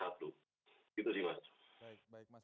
baik baik mas